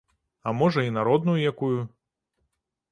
А, можа, і народную якую.